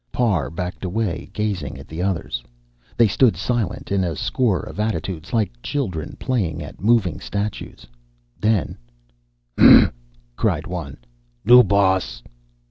Parr backed away, gazing at the others. They stood silent in a score of attitudes, like children playing at moving statues. Then: "Huh!" cried one. "New boss!"